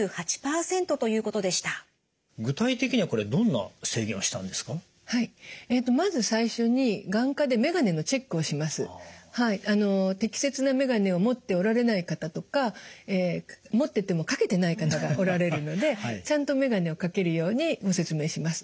はいまず最初に適切なメガネを持っておられない方とか持ってても掛けてない方がおられるのでちゃんとメガネを掛けるようにご説明します。